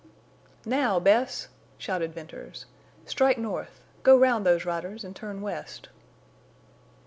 "Now Bess!" shouted Venters. "Strike north. Go round those riders and turn west."